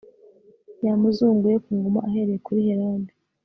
yamuzunguye ku ngoma ahereye kuri helade